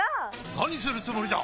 何するつもりだ！？